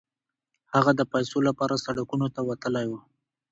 هغه د پيسو لپاره سړکونو ته وتلی و.